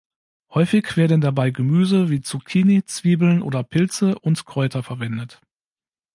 Häufig werden dabei Gemüse wie Zucchini, Zwiebeln oder Pilze und Kräuter verwendet.